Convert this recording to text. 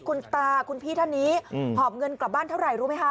คุณตาคุณพี่ท่านนี้หอบเงินกลับบ้านเท่าไหร่รู้ไหมคะ